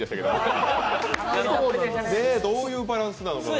どういうバランスなの？